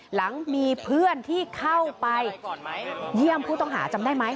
หลังมีเพื่อนที่เข้าไปเยี่ยมผู้ต้องหาจำได้ไหม